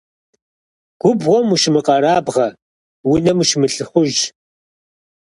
Губгъуэм ущымыкъэрабгъэ, унэм ущымылӀыхъужь.